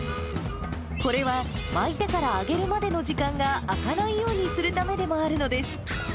これは、巻いてから揚げるまでの時間が空かないようにするためでもあるのです。